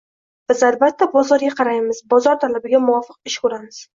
—Biz albatta, bozorga qaraymiz, bozor talabiga muvofiq ish tutamiz.